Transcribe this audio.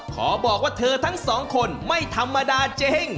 ขอบอกว่าเธอทั้งสองคนไม่ธรรมดาจริง